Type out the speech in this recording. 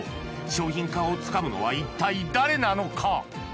商品化をつかむのは一体誰なのか？